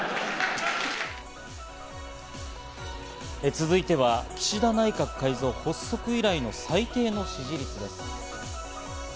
続いては岸田内閣改造、発足以来の最低の支持率です。